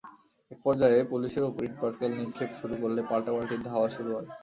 একপর্যায়ে পুলিশের ওপর ইটপাটকেল নিক্ষেপ শুরু করলে পাল্টাপাল্টি ধাওয়া শুরু হয়।